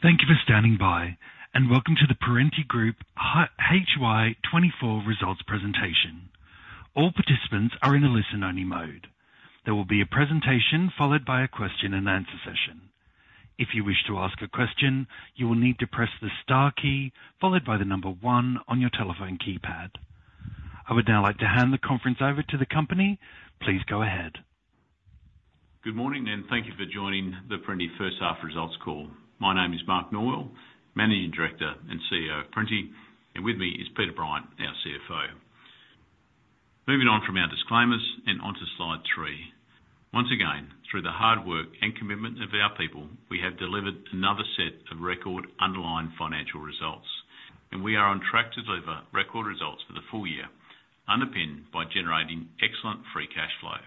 Thank you for standing by, and welcome to the Perenti Group HY24 results presentation. All participants are in a listen-only mode. There will be a presentation followed by a question and answer session. If you wish to ask a question, you will need to press the star key followed by the number one on your telephone keypad. I would now like to hand the conference over to the company. Please go ahead. Good morning, and thank you for joining the Perenti First Half Results Call. My name is Mark Norwell, Managing Director and Chief Executive Officer of Perenti, and with me is Peter Bryant, our Chief Financial Officer. Moving on from our disclaimers and onto slide three. Once again, through the hard work and commitment of our people, we have delivered another set of record underlying financial results, and we are on track to deliver record results for the full year, underpinned by generating excellent free cash flow.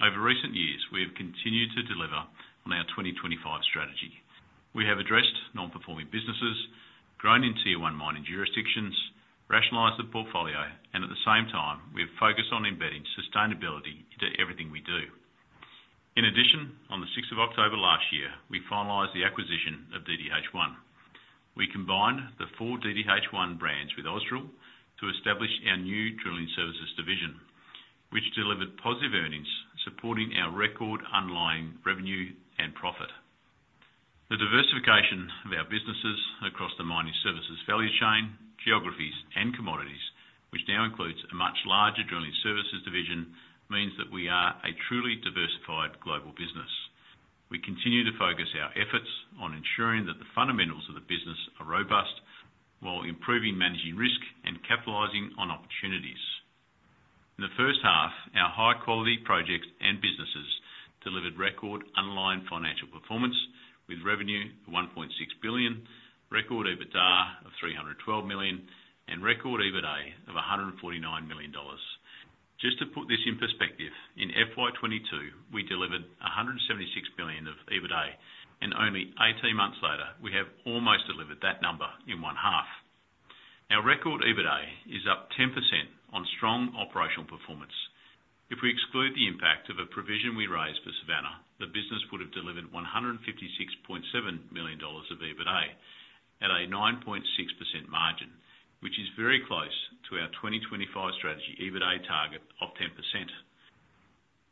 Over recent years, we have continued to deliver on our 2025 strategy. We have addressed non-performing businesses, grown in tier one mining jurisdictions, rationalized the portfolio, and at the same time, we have focused on embedding sustainability into everything we do. In addition, on the 6th of October last year, we finalised the acquisition of DDH1. We combined the four DDH1 brands with Ausdrill to establish our new drilling services division, which delivered positive earnings supporting our record underlying revenue and profit. The diversification of our businesses across the mining services value chain, geographies, and commodities, which now includes a much larger drilling services division, means that we are a truly diversified global business. We continue to focus our efforts on ensuring that the fundamentals of the business are robust while improving managing risk and capitalizing on opportunities. In the first half, our high-quality projects and businesses delivered record underlying financial performance with revenue of 1.6 billion, record EBITDA of 312 million, and record EBITA of 149 million dollars. Just to put this in perspective, in FY22, we delivered 176 million of EBITA, and only 18 months later, we have almost delivered that number in one half. Our record EBITA is up 10% on strong operational performance. If we exclude the impact of a provision we raised for Savannah, the business would have delivered 156.7 million dollars of EBITA at a 9.6% margin, which is very close to our 2025 strategy EBITA target of 10%.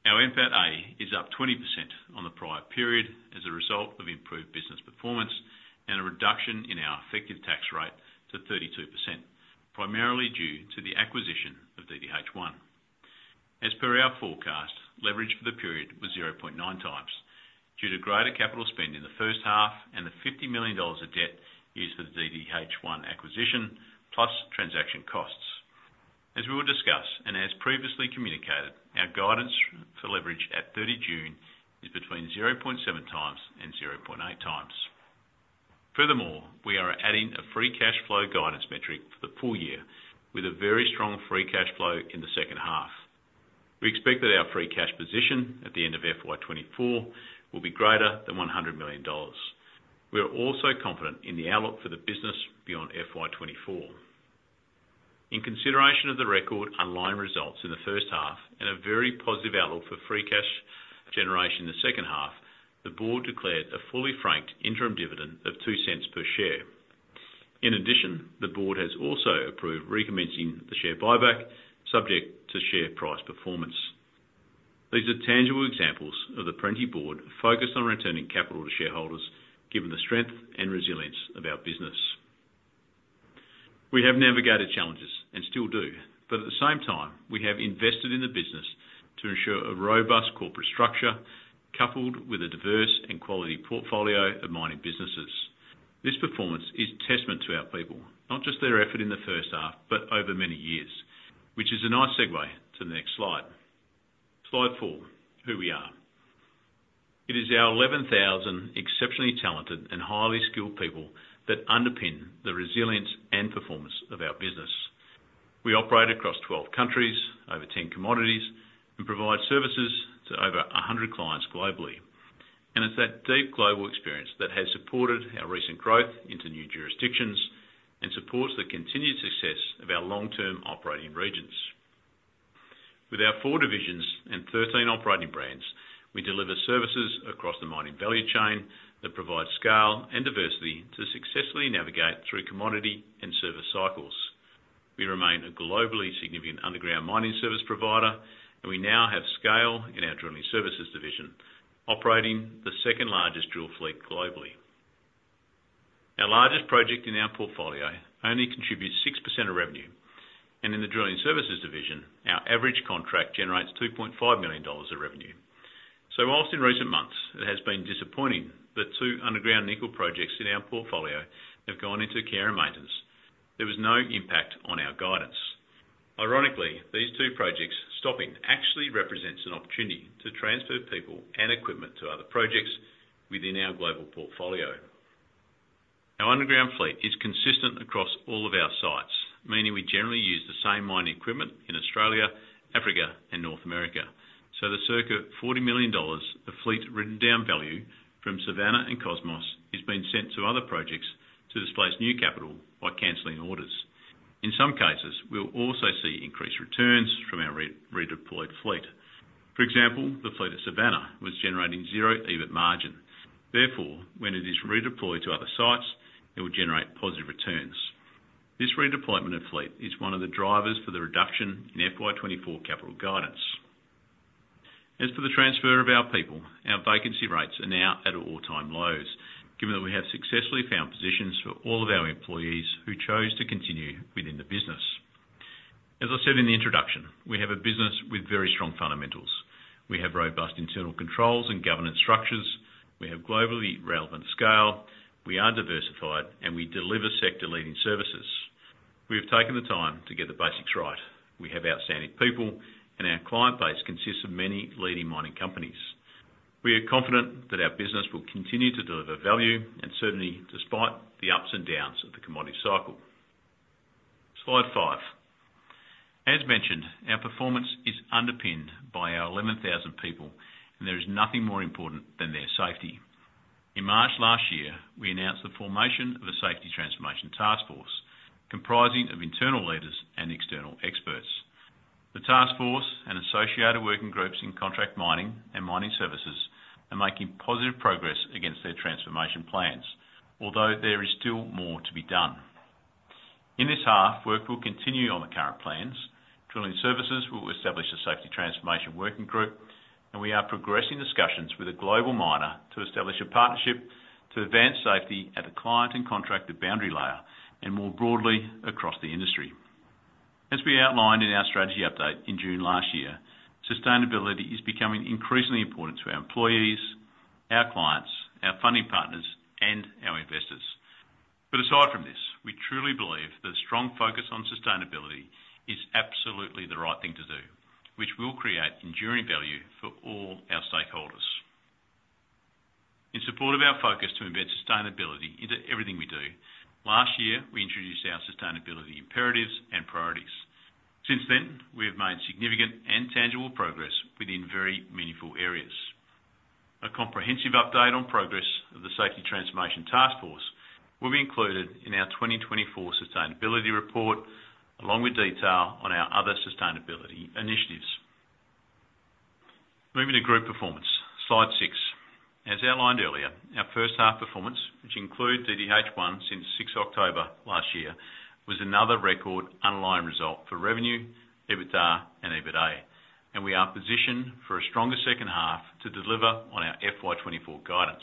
Our NPATA is up 20% on the prior period as a result of improved business performance and a reduction in our effective tax rate to 32%, primarily due to the acquisition of DDH1. As per our forecast, leverage for the period was 0.9 times due to greater capital spend in the first half and the 50 million dollars of debt used for the DDH1 acquisition plus transaction costs. As we will discuss and as previously communicated, our guidance for leverage at 30 June is between 0.7 times and 0.8 times. Furthermore, we are adding a free cash flow guidance metric for the full year with a very strong free cash flow in the second half. We expect that our free cash position at the end of FY 2024 will be greater than 100 million dollars. We are also confident in the outlook for the business beyond FY 2024. In consideration of the record underlying results in the first half and a very positive outlook for free cash generation in the second half, the board declared a fully franked interim dividend of 0.02 per share. In addition, the board has also approved recommencing the share buyback subject to share price performance. These are tangible examples of the Perenti board focused on returning capital to shareholders given the strength and resilience of our business. We have navigated challenges and still do, but at the same time, we have invested in the business to ensure a robust corporate structure coupled with a diverse and quality portfolio of mining businesses. This performance is testament to our people, not just their effort in the first half but over many years, which is a nice segue to the next slide. Slide four: Who we are. It is our 11,000 exceptionally talented and highly skilled people that underpin the resilience and performance of our business. We operate across 12 countries, over 10 commodities, and provide services to over 100 clients globally. And it's that deep global experience that has supported our recent growth into new jurisdictions and supports the continued success of our long-term operating regions. With our four divisions and 13 operating brands, we deliver services across the mining value chain that provide scale and diversity to successfully navigate through commodity and service cycles. We remain a globally significant underground mining service provider, and we now have scale in our drilling services division, operating the second largest drill fleet globally. Our largest project in our portfolio only contributes 6% of revenue, and in the drilling services division, our average contract generates 2.5 million dollars of revenue. So while in recent months, it has been disappointing that two underground nickel projects in our portfolio have gone into care and maintenance, there was no impact on our guidance. Ironically, these two projects stopping actually represents an opportunity to transfer people and equipment to other projects within our global portfolio. Our underground fleet is consistent across all of our sites, meaning we generally use the same mining equipment in Australia, Africa, and North America. So the circa 40 million dollars of fleet written down value from Savannah and Cosmos has been sent to other projects to displace new capital by canceling orders. In some cases, we'll also see increased returns from our redeployed fleet. For example, the fleet at Savannah was generating zero EBIT margin. Therefore, when it is redeployed to other sites, it will generate positive returns. This redeployment of fleet is one of the drivers for the reduction in FY24 capital guidance. As for the transfer of our people, our vacancy rates are now at all-time lows given that we have successfully found positions for all of our employees who chose to continue within the business. As I said in the introduction, we have a business with very strong fundamentals. We have robust internal controls and governance structures. We have globally relevant scale. We are diversified, and we deliver sector-leading services. We have taken the time to get the basics right. We have outstanding people, and our client base consists of many leading mining companies. We are confident that our business will continue to deliver value, and certainly despite the ups and downs of the commodity cycle. Slide 5. As mentioned, our performance is underpinned by our 11,000 people, and there is nothing more important than their safety. In March last year, we announced the formation of a safety transformation task force comprising of internal leaders and external experts. The task force and associated working groups in contract mining and mining services are making positive progress against their transformation plans, although there is still more to be done. In this half, work will continue on the current plans. Drilling Services will establish a safety transformation working group, and we are progressing discussions with a global miner to establish a partnership to advance safety at the client and contractor boundary layer and more broadly across the industry. As we outlined in our strategy update in June last year, sustainability is becoming increasingly important to our employees, our clients, our funding partners, and our investors. But aside from this, we truly believe that a strong focus on sustainability is absolutely the right thing to do, which will create enduring value for all our stakeholders. In support of our focus to embed sustainability into everything we do, last year, we introduced our sustainability imperatives and priorities. Since then, we have made significant and tangible progress within very meaningful areas. A comprehensive update on progress of the safety transformation task force will be included in our 2024 sustainability report along with detail on our other sustainability initiatives. Moving to group performance, slide six. As outlined earlier, our first half performance, which included DDH1 since 6 October last year, was another record underlying result for revenue, EBITDA, and EBITA, and we are positioned for a stronger second half to deliver on our FY24 guidance.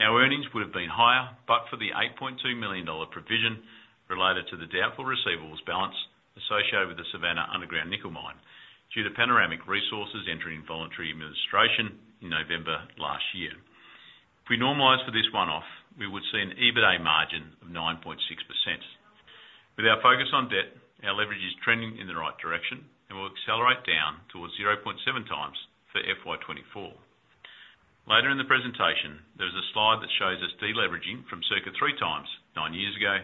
Our earnings would have been higher, but for the 8.2 million dollar provision related to the doubtful receivables balance associated with the Savannah underground nickel mine due to Panoramic Resources entering voluntary administration in November last year. If we normalized for this one-off, we would see an EBITA margin of 9.6%. With our focus on debt, our leverage is trending in the right direction, and we'll accelerate down towards 0.7 times for FY24. Later in the presentation, there is a slide that shows us deleveraging from circa three times nine years ago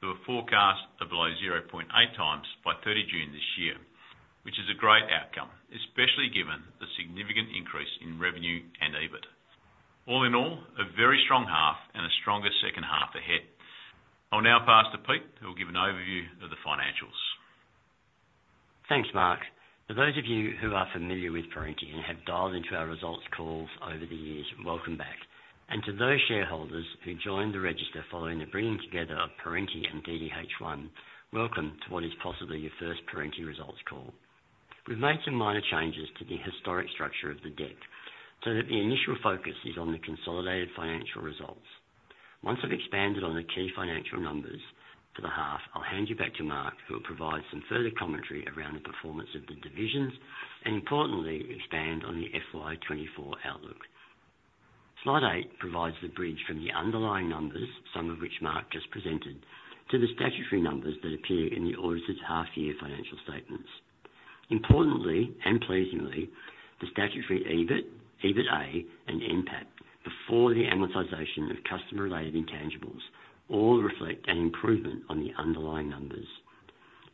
to a forecast of below 0.8 times by 30 June this year, which is a great outcome, especially given the significant increase in revenue and EBIT. All in all, a very strong half and a stronger second half ahead. I'll now pass to Peter, who will give an overview of the financials. Thanks, Mark. For those of you who are familiar with Perenti and have dialed into our results calls over the years, welcome back. To those shareholders who joined the register following the bringing together of Perenti and DDH1, welcome to what is possibly your first Perenti results call. We've made some minor changes to the historic structure of the deck so that the initial focus is on the consolidated financial results. Once I've expanded on the key financial numbers for the half, I'll hand you back to Mark, who will provide some further commentary around the performance of the divisions and, importantly, expand on the FY2024 outlook. Slide eight provides the bridge from the underlying numbers, some of which Mark just presented, to the statutory numbers that appear in the audited half-year financial statements. Importantly and pleasingly, the statutory EBIT, EBITA, and NPAT before the amortization of customer-related intangibles all reflect an improvement on the underlying numbers.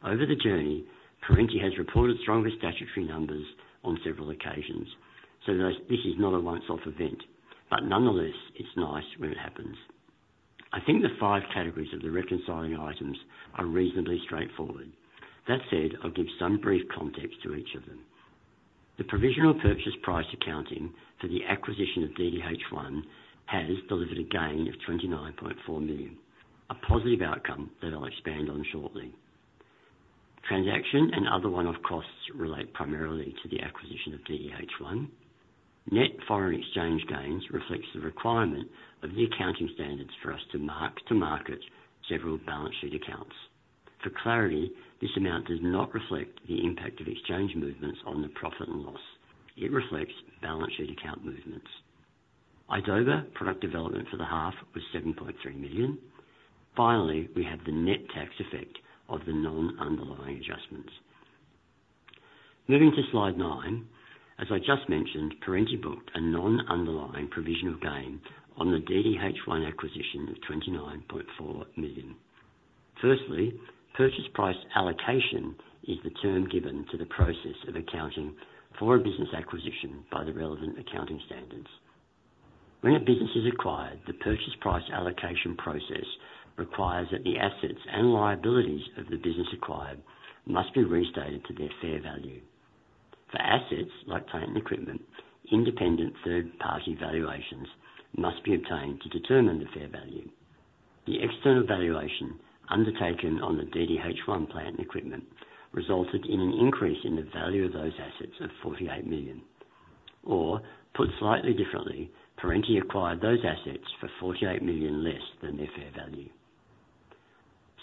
Over the journey, Perenti has reported stronger statutory numbers on several occasions, so this is not a once-off event. But nonetheless, it's nice when it happens. I think the five categories of the reconciling items are reasonably straightforward. That said, I'll give some brief context to each of them. The provisional purchase price accounting for the acquisition of DDH1 has delivered a gain of 29.4 million, a positive outcome that I'll expand on shortly. Transaction and other one-off costs relate primarily to the acquisition of DDH1. Net foreign exchange gains reflect the requirement of the accounting standards for us to mark-to-market several balance sheet accounts. For clarity, this amount does not reflect the impact of exchange movements on the profit and loss. It reflects balance sheet account movements. Idoba product development for the half was 7.3 million. Finally, we have the net tax effect of the non-underlying adjustments. Moving to slide nine. As I just mentioned, Perenti booked a non-underlying provisional gain on the DDH1 acquisition of 29.4 million. Firstly, purchase price allocation is the term given to the process of accounting for a business acquisition by the relevant accounting standards. When a business is acquired, the purchase price allocation process requires that the assets and liabilities of the business acquired must be restated to their fair value. For assets like plant and equipment, independent third-party valuations must be obtained to determine the fair value. The external valuation undertaken on the DDH1 plant and equipment resulted in an increase in the value of those assets of 48 million. Or put slightly differently, Perenti acquired those assets for 48 million less than their fair value.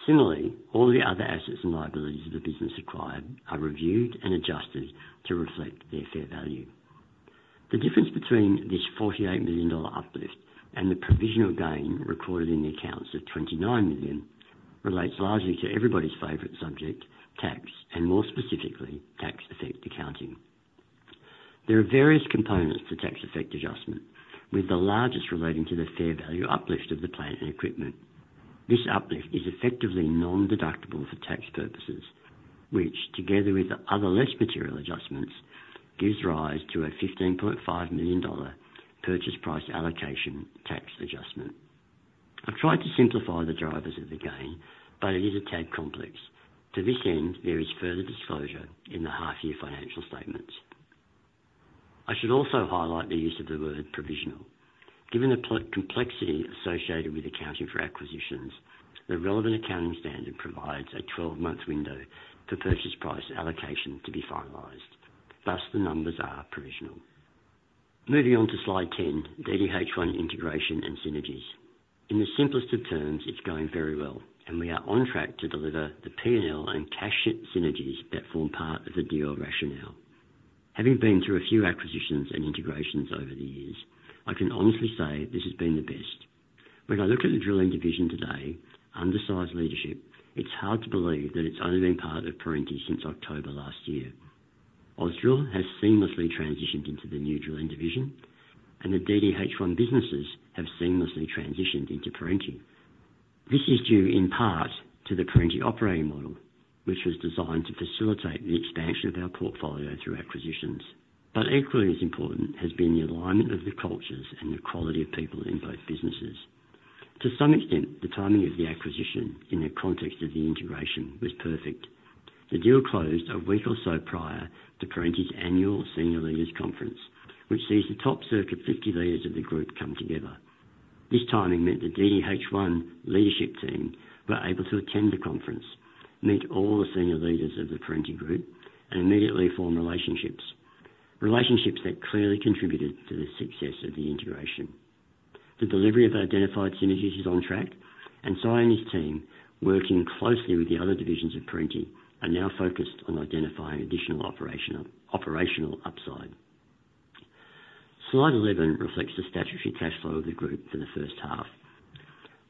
Similarly, all the other assets and liabilities of the business acquired are reviewed and adjusted to reflect their fair value. The difference between this AUD 48 million uplift and the provisional gain recorded in the accounts of AUD 29 million relates largely to everybody's favourite subject, tax, and more specifically, tax effect accounting. There are various components to tax effect adjustment, with the largest relating to the fair value uplift of the plant and equipment. This uplift is effectively non-deductible for tax purposes, which, together with other less material adjustments, gives rise to a AUD 15.5 million purchase price allocation tax adjustment. I've tried to simplify the drivers of the gain, but it is a tad complex. To this end, there is further disclosure in the half-year financial statements. I should also highlight the use of the word provisional. Given the complexity associated with accounting for acquisitions, the relevant accounting standard provides a 12-month window for purchase price allocation to be finalized. Thus, the numbers are provisional. Moving on to slide 10, DDH1 integration and synergies. In the simplest of terms, it's going very well, and we are on track to deliver the P&L and cash synergies that form part of the deal rationale. Having been through a few acquisitions and integrations over the years, I can honestly say this has been the best. When I look at the drilling division today, under its leadership, it's hard to believe that it's only been part of Perenti since October last year. Ausdrill has seamlessly transitioned into the new drilling division, and the DDH1 businesses have seamlessly transitioned into Perenti. This is due, in part, to the Perenti operating model, which was designed to facilitate the expansion of our portfolio through acquisitions. But equally as important has been the alignment of the cultures and the quality of people in both businesses. To some extent, the timing of the acquisition in the context of the integration was perfect. The deal closed a week or so prior to Perenti's annual senior leaders' conference, which sees the top circa 50 leaders of the group come together. This timing meant the DDH1 leadership team were able to attend the conference, meet all the senior leaders of the Perenti group, and immediately form relationships, relationships that clearly contributed to the success of the integration. The delivery of identified synergies is on track, and Sy and his team, working closely with the other divisions of Perenti, are now focused on identifying additional operational upside. Slide 11 reflects the statutory cash flow of the group for the first half.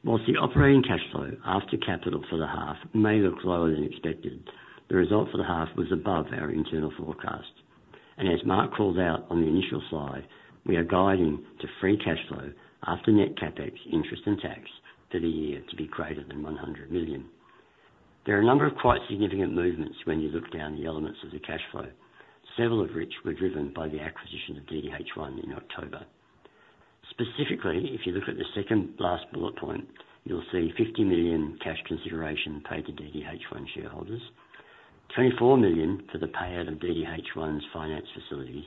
While the operating cash flow after capital for the half may look lower than expected, the result for the half was above our internal forecast. As Mark called out on the initial slide, we are guiding to free cash flow after net CapEx, interest, and tax for the year to be greater than 100 million. There are a number of quite significant movements when you look down the elements of the cash flow, several of which were driven by the acquisition of DDH1 in October. Specifically, if you look at the second-last bullet point, you'll see 50 million cash consideration paid to DDH1 shareholders, 24 million for the payout of DDH1's finance facilities,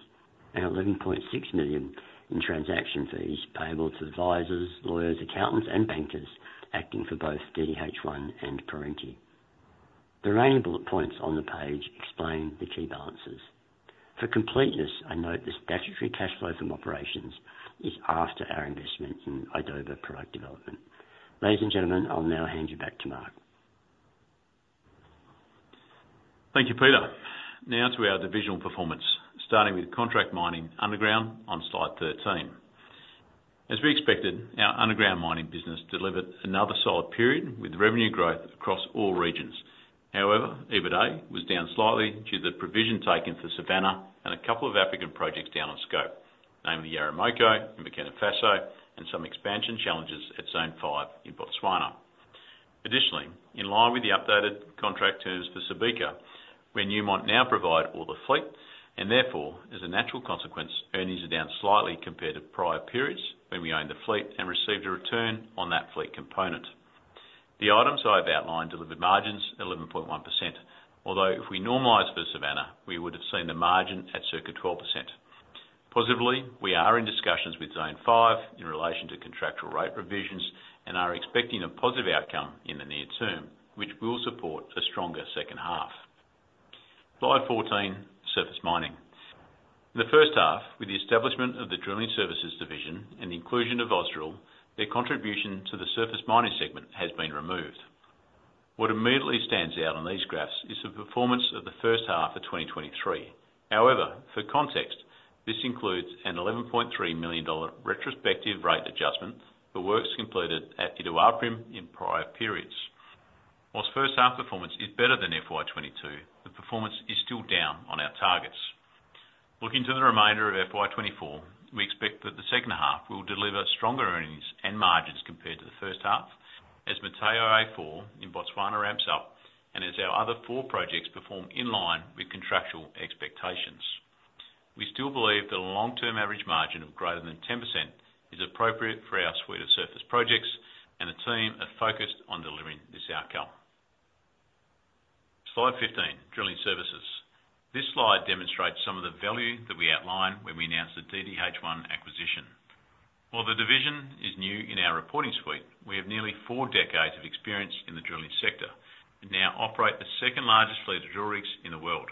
and 11.6 million in transaction fees payable to advisors, lawyers, accountants, and bankers acting for both DDH1 and Perenti. The remaining bullet points on the page explain the key balances. For completeness, I note the statutory cash flow from operations is after our investment in Idoba product development. Ladies and gentlemen, I'll now hand you back to Mark. Thank you, Peter. Now to our divisional performance, starting with contract mining underground on slide 13. As we expected, our underground mining business delivered another solid period with revenue growth across all regions. However, EBITA was down slightly due to the provision taken for Savannah and a couple of African projects down on scope, namely Yaramoko in Burkina Faso and some expansion challenges at Zone 5 in Botswana. Additionally, in line with the updated contract terms for Subika, where Newmont now provide all the fleet, and therefore, as a natural consequence, earnings are down slightly compared to prior periods when we owned the fleet and received a return on that fleet component. The items I have outlined delivered margins 11.1%, although if we normalised for Savannah, we would have seen the margin at circa 12%. Positively, we are in discussions with Zone 5 in relation to contractual rate revisions and are expecting a positive outcome in the near term, which will support a stronger second half. Slide 14, surface mining. In the first half, with the establishment of the drilling services division and the inclusion of Ausdrill, their contribution to the surface mining segment has been removed. What immediately stands out in these graphs is the performance of the first half of 2023. However, for context, this includes an 11.3 million dollar retrospective rate adjustment for works completed at Iduapriem in prior periods. While first-half performance is better than FY22, the performance is still down on our targets. Looking to the remainder of FY24, we expect that the second half will deliver stronger earnings and margins compared to the first half as Motheo A4 in Botswana ramps up and as our other four projects perform in line with contractual expectations. We still believe that a long-term average margin of greater than 10% is appropriate for our suite of surface projects, and the team are focused on delivering this outcome. Slide 15, drilling services. This slide demonstrates some of the value that we outlined when we announced the DDH1 acquisition. While the division is new in our reporting suite, we have nearly four decades of experience in the drilling sector and now operate the second-largest fleet of drill rigs in the world.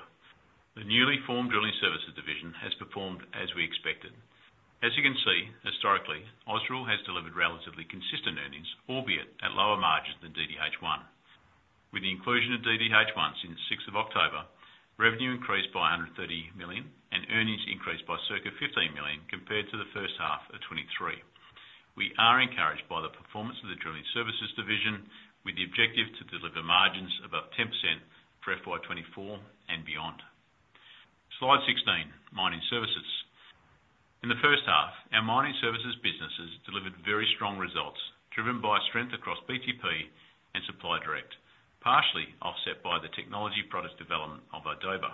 The newly formed drilling services division has performed as we expected. As you can see, historically, Ausdrill has delivered relatively consistent earnings, albeit at lower margins than DDH1. With the inclusion of DDH1 since 6 October, revenue increased by 130 million and earnings increased by circa 15 million compared to the first half of 2023. We are encouraged by the performance of the drilling services division with the objective to deliver margins above 10% for FY24 and beyond. Slide 16, mining services. In the first half, our mining services businesses delivered very strong results driven by strength across BTP and Supply Direct, partially offset by the technology product development of Idoba.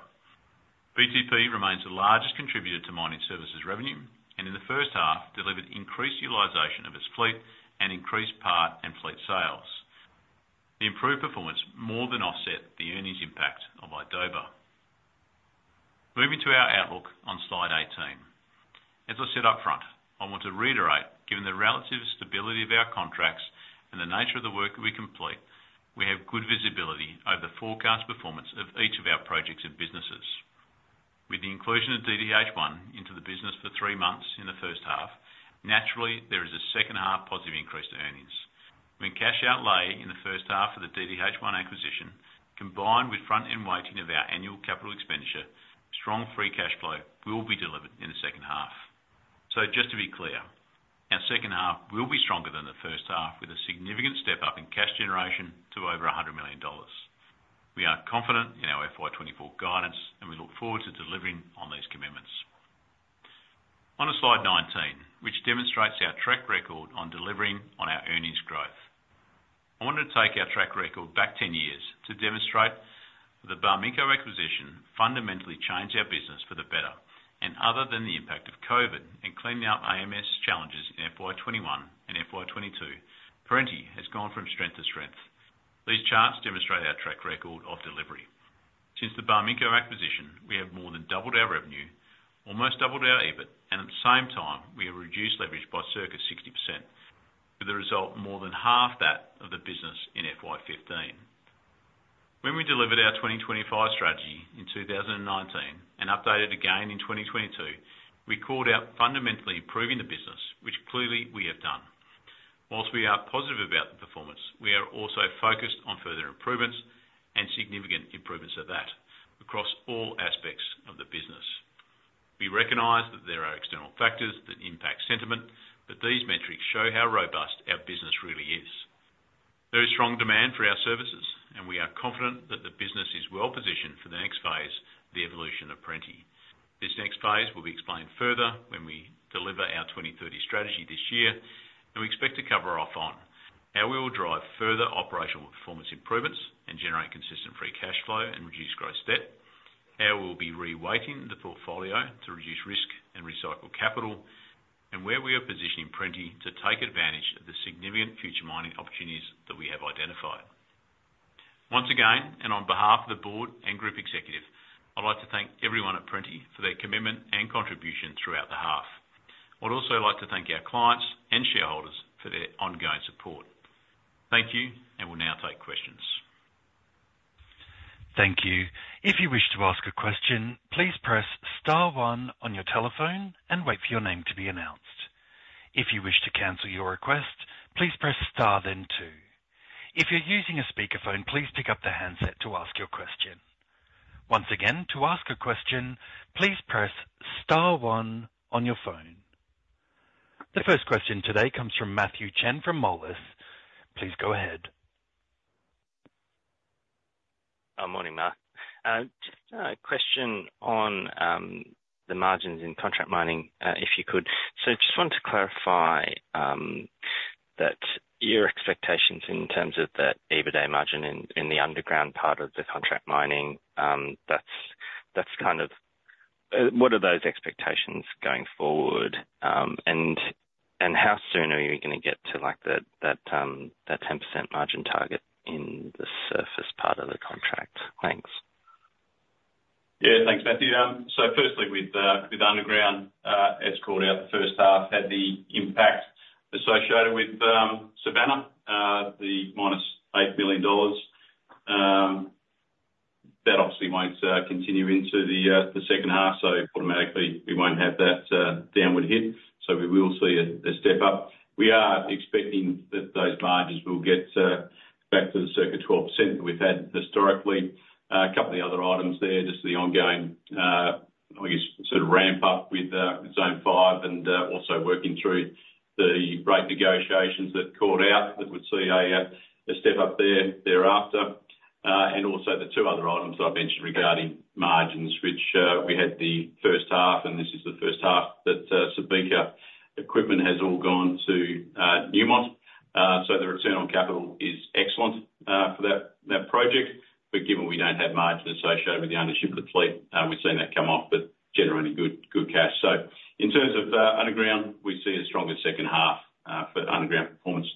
BTP remains the largest contributor to mining services revenue and, in the first half, delivered increased utilization of its fleet and increased part and fleet sales. The improved performance more than offset the earnings impact of Idoba. Moving to our outlook on slide 18. As I said upfront, I want to reiterate, given the relative stability of our contracts and the nature of the work that we complete, we have good visibility over the forecast performance of each of our projects and businesses. With the inclusion of DDH1 into the business for three months in the first half, naturally, there is a second-half positive increase to earnings. When cash outlay in the first half of the DDH1 acquisition, combined with front-end weighting of our annual capital expenditure, strong free cash flow will be delivered in the second half. So just to be clear, our second half will be stronger than the first half with a significant step up in cash generation to over 100 million dollars. We are confident in our FY2024 guidance, and we look forward to delivering on these commitments. Onto slide 19, which demonstrates our track record on delivering on our earnings growth. I wanted to take our track record back 10 years to demonstrate that the Barminco acquisition fundamentally changed our business for the better. And other than the impact of COVID and cleaning up AMS challenges in FY21 and FY22, Perenti has gone from strength to strength. These charts demonstrate our track record of delivery. Since the Barminco acquisition, we have more than doubled our revenue, almost doubled our EBIT, and at the same time, we have reduced leverage by circa 60%, with the result more than half that of the business in FY15. When we delivered our 2025 strategy in 2019 and updated again in 2022, we called out fundamentally improving the business, which clearly we have done. While we are positive about the performance, we are also focused on further improvements and significant improvements of that across all aspects of the business. We recognize that there are external factors that impact sentiment, but these metrics show how robust our business really is. There is strong demand for our services, and we are confident that the business is well-positioned for the next phase, the evolution of Perenti. This next phase will be explained further when we deliver our 2030 strategy this year, and we expect to cover off on how we will drive further operational performance improvements and generate consistent free cash flow and reduce gross debt, how we will be reweighting the portfolio to reduce risk and recycle capital, and where we are positioning Perenti to take advantage of the significant future mining opportunities that we have identified. Once again, on behalf of the board and group executive, I'd like to thank everyone at Perenti for their commitment and contribution throughout the half. I'd also like to thank our clients and shareholders for their ongoing support. Thank you, and we'll now take questions. Thank you. If you wish to ask a question, please press star one on your telephone and wait for your name to be announced. If you wish to cancel your request, please press star then two. If you're using a speakerphone, please pick up the handset to ask your question. Once again, to ask a question, please press star one on your phone. The first question today comes from Matthew Chen from Moelis. Please go ahead. Morning, Mark. Just a question on the margins in contract mining, if you could. So I just want to clarify your expectations in terms of that EBITA margin in the underground part of the contract mining. That's kind of what are those expectations going forward, and how soon are you going to get to that 10% margin target in the surface part of the contract? Thanks. Yeah. Thanks, Matthew. So firstly, with underground, as called out the first half, had the impact associated with Savannah, the minus 8 million dollars. That obviously won't continue into the second half, so automatically, we won't have that downward hit. So we will see a step up. We are expecting that those margins will get back to the circa 12% that we've had historically. A couple of other items there, just the ongoing, I guess, sort of ramp-up with Zone 5 and also working through the rate negotiations that called out that would see a step up there thereafter. And also the two other items that I've mentioned regarding margins, which we had the first half, and this is the first half that Subika equipment has all gone to Newmont. So the return on capital is excellent for that project. But given we don't have margin associated with the ownership of the fleet, we've seen that come off but generating good cash. So in terms of underground, we see a stronger second half for underground performance.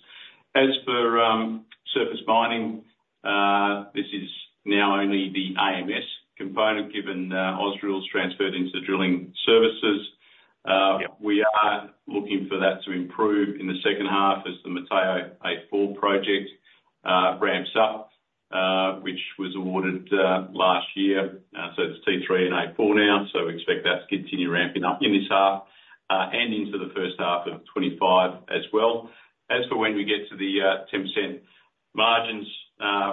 As for surface mining, this is now only the AMS component, given Ausdrill's transferred into the drilling services. We are looking for that to improve in the second half as the Motheo A4 project ramps up, which was awarded last year. So it's T3 and A4 now, so we expect that to continue ramping up in this half and into the first half of 2025 as well. As for when we get to the 10% margins,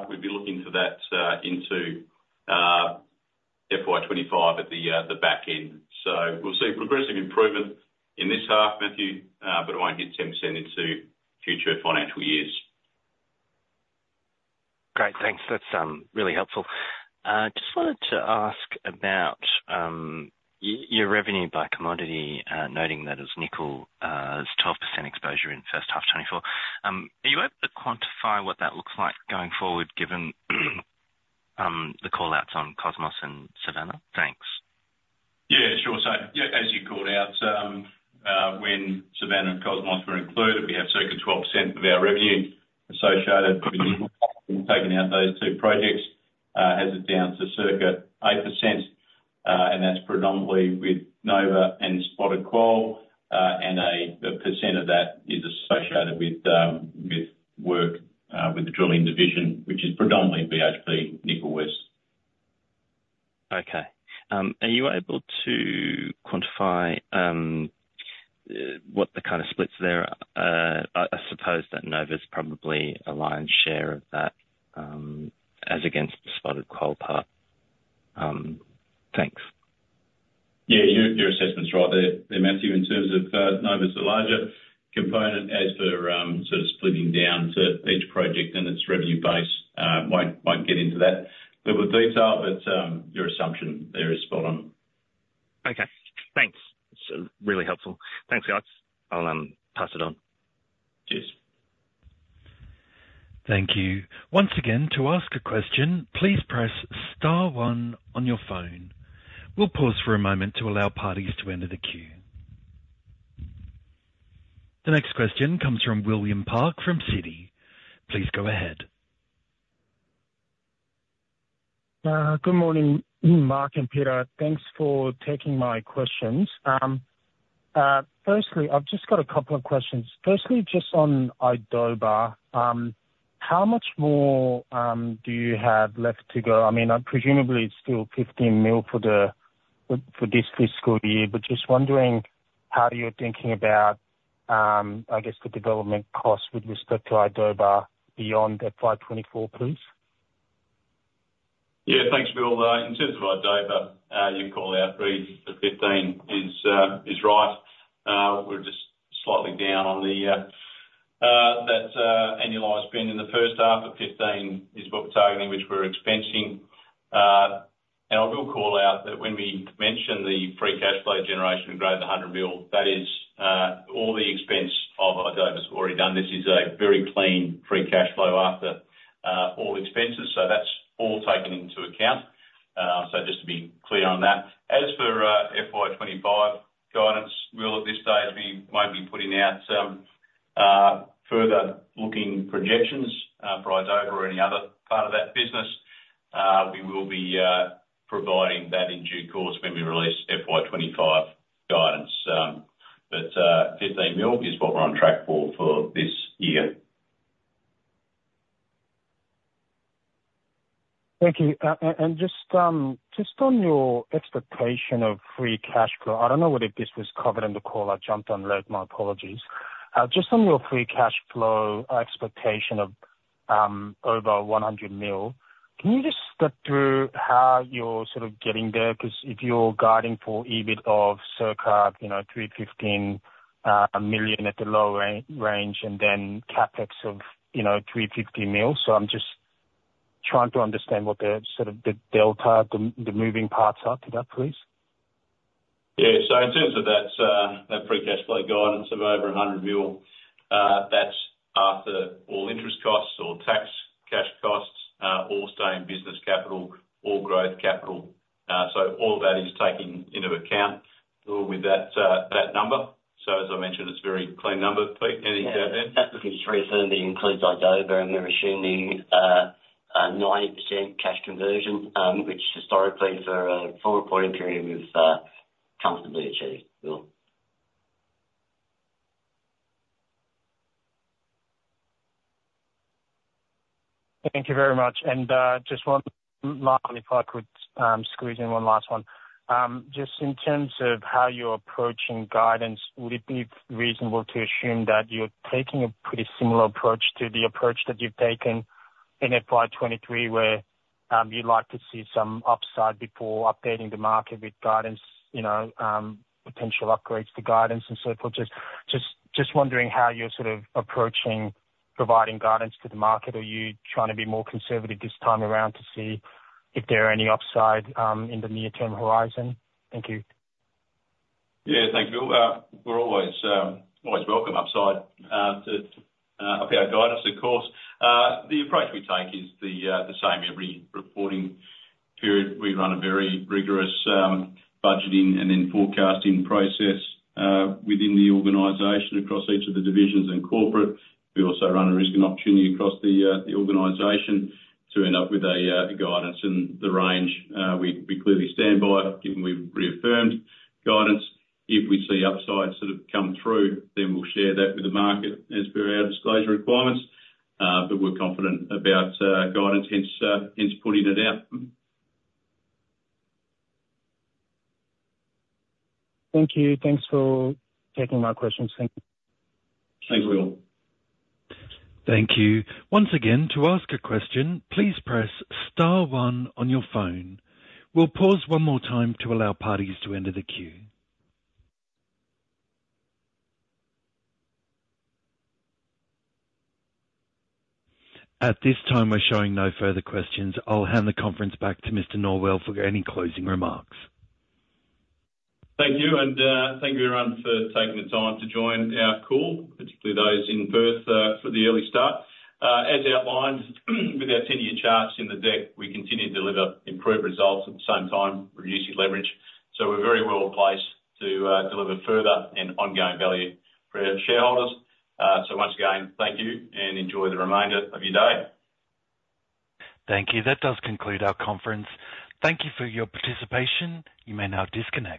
we'd be looking for that into FY2025 at the back end. So we'll see progressive improvement in this half, Matthew, but it won't hit 10% into future financial years. Great. Thanks. That's really helpful. Just wanted to ask about your revenue by commodity, noting that it's nickel, 12% exposure in first half 2024. Are you able to quantify what that looks like going forward, given the callouts on Cosmos and Savannah? Thanks. Yeah. Sure. So as you called out, when Savannah and Cosmos were included, we have circa 12% of our revenue associated with nickel. Taking out those two projects, it has it down to circa 8%, and that's predominantly with Nova and Spotted Quoll, and a percent of that is associated with work with the drilling division, which is predominantly BHP, Nickel West. Okay. Are you able to quantify what the kind of splits there are? I suppose that Nova's probably a lion's share of that as against the Spotted Quoll part. Thanks. Yeah. Your assessment's right there, Matthew, in terms of Nova's the larger component. As for sort of splitting down to each project and its revenue base, won't get into that bit with detail, but your assumption there is spot on. Okay. Thanks. It's really helpful. Thanks, Alex. I'll pass it on. Cheers. Thank you. Once again, to ask a question, please press star one on your phone. We'll pause for a moment to allow parties to enter the queue. The next question comes from William Park from Citi. Please go ahead. Good morning, Mark and Peter. Thanks for taking my questions. Firstly, I've just got a couple of questions. Firstly, just on Idoba, how much more do you have left to go? I mean, presumably, it's still 15 million for this fiscal year, but just wondering how you're thinking about, I guess, the development cost with respect to Idoba beyond FY2024, please. Yeah. Thanks, Bill. In terms of Idoba, your callout rate for 15 million is right. We're just slightly down on that annualized spend in the first half. But 15 million is what we're targeting, which we're expensing. And I will call out that when we mention the free cash flow generation of greater than 100 million, that is all the expense of Idoba's already done. This is a very clean free cash flow after all expenses, so that's all taken into account. So just to be clear on that. As for FY25 guidance, Will, at this stage, we won't be putting out further looking projections for Idoba or any other part of that business. We will be providing that in due course when we release FY25 guidance. But 15 million is what we're on track for this year. Thank you. Just on your expectation of free cash flow, I don't know whether this was covered in the call. I jumped on late. My apologies. Just on your free cash flow expectation of over 100 million, can you just step through how you're sort of getting there? Because if you're guiding for EBIT of circa 315 million at the low range and then CapEx of 350 million, so I'm just trying to understand what sort of the delta, the moving parts are to that, please. Yeah. So in terms of that free cash flow guidance of over 100 million, that's after all interest costs or tax cash costs, all staying business capital, all growth capital. So all of that is taken into account with that number. So as I mentioned, it's a very clean number, Pete. Anything to add there? Yeah. I think it reasonably includes Idoba, and they're assuming 90% cash conversion, which historically, for a full reporting period, we've comfortably achieved, Will. Thank you very much. Just one last if I could squeeze in one last one. Just in terms of how you're approaching guidance, would it be reasonable to assume that you're taking a pretty similar approach to the approach that you've taken in FY23, where you'd like to see some upside before updating the market with guidance, potential upgrades to guidance, and so forth? Just wondering how you're sort of approaching providing guidance to the market. Are you trying to be more conservative this time around to see if there are any upside in the near-term horizon? Thank you. Yeah. Thanks, Will. We're always welcome upside to apparent guidance, of course. The approach we take is the same every reporting period. We run a very rigorous budgeting and then forecasting process within the organization across each of the divisions and corporate. We also run a risk and opportunity across the organization to end up with a guidance in the range we clearly stand by, given we've reaffirmed guidance. If we see upside sort of come through, then we'll share that with the market as per our disclosure requirements. But we're confident about guidance, hence putting it out. Thank you. Thanks for taking my questions. Thank you. Thanks, Will. Thank you. Once again, to ask a question, please press star one on your phone. We'll pause one more time to allow parties to enter the queue. At this time, we're showing no further questions. I'll hand the conference back to Mr. Norwell for any closing remarks. Thank you. And thank you, everyone, for taking the time to join our call, particularly those in Perth for the early start. As outlined, with our 10-year charts in the deck, we continue to deliver improved results at the same time reducing leverage. So we're very well placed to deliver further and ongoing value for our shareholders. So once again, thank you, and enjoy the remainder of your day. Thank you. That does conclude our conference. Thank you for your participation. You may now disconnect.